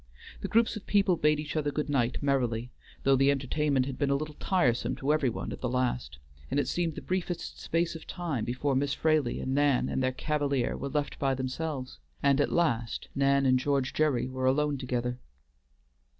The groups of people bade each other good night merrily, though the entertainment had been a little tiresome to every one at the last, and it seemed the briefest space of time before Miss Fraley and Nan and their cavalier were left by themselves, and at last Nan and George Gerry were alone together.